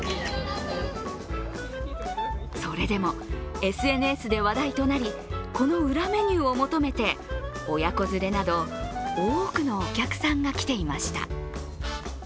それでもＳＮＳで話題となり、この裏メニューを求めて親子連れなど多くのお客さんが来ていました。